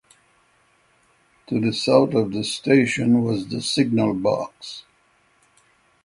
To the south of the station was the signal box.